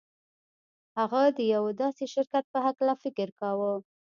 هغه د یوه داسې شرکت په هکله فکر کاوه